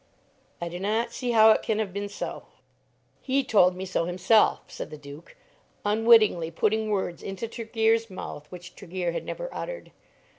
"I do not see how it can have been so." "He told me so himself," said the Duke, unwittingly putting words into Tregear's mouth which Tregear had never uttered.